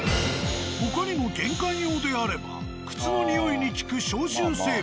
他にも玄関用であれば靴のニオイに効く消臭成分。